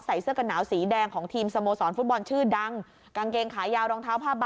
เสื้อกันหนาวสีแดงของทีมสโมสรฟุตบอลชื่อดังกางเกงขายาวรองเท้าผ้าใบ